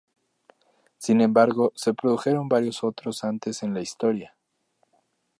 Sin embargo, se produjeron varios otros antes en la historia.